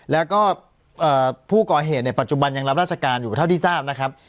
แล้วก็ผู้ก่อเหตุในปัจจุบันยังรับราชการอยู่เท่าที่ทราบนะครับ